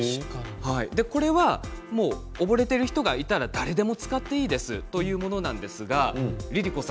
これは溺れている人がいたら誰でも使っていいですというものなんですがＬｉＬｉＣｏ